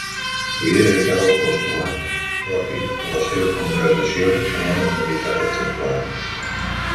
Vivia dedicada a l'apostolat propi de la seva Congregació amb una humilitat exemplar.